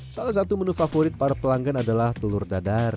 salah satu menu favorit para pelanggan adalah telur dadar